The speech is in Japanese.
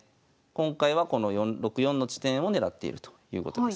今回はこの６四の地点を狙っているということですね。